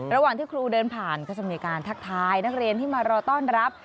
ระหว่างที่ครูเดินผ่านก็จะมีการทักทายนักเรียนที่มารอต้อนรับ